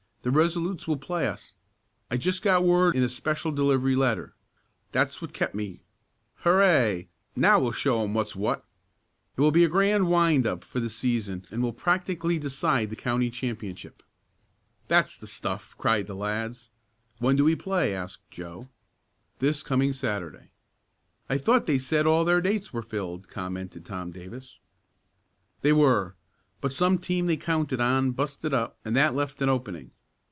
"The Resolutes will play us. I just got word in a special delivery letter. That's what kept me. Hurray! Now we'll show 'em what's what. It will be a grand wind up for the season and will practically decide the county championship." "That's the stuff!" cried the lads. "When do we play?" asked Joe. "This coming Saturday." "I thought they said all their dates were filled," commented Tom Davis. "They were, but some team they counted on busted up and that left an opening.